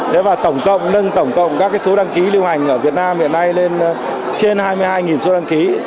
thế và tổng cộng nâng tổng cộng các số đăng ký lưu hành ở việt nam hiện nay lên trên hai mươi hai số đăng ký